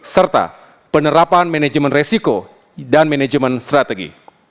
serta penerapan manajemen resiko dan manajemen strategi